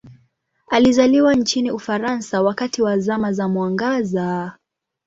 Alizaliwa nchini Ufaransa wakati wa Zama za Mwangaza.